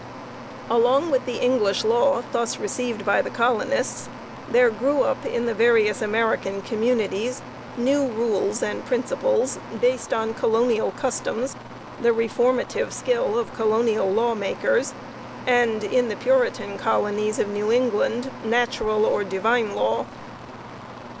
Along with the English Law thus received by the colonists, there grew up in the various American communities new rules and principles based on colonial customs, the reformative skill of colonial law makers, and, in the Puritan colonies of new England, natural or Divine law.